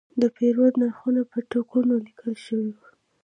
د پیرود نرخونه په ټکټونو لیکل شوي.